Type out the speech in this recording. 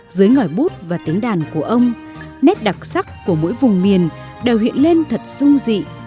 dưới ngòi bút và tiếng đàn của ông nét đặc sắc của mỗi vùng miền đều hiện lên thật sung dị